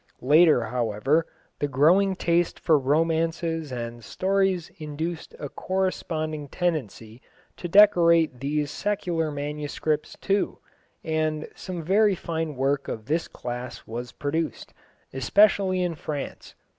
Later, however, the growing taste for romances and stories induced a corresponding tendency to decorate these secular manuscripts too, and some very fine work of this class was produced, especially in France.